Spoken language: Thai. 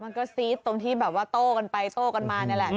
มันก็ซี๊ดตรงที่โต้กันไปโต้กันมานี่แหละ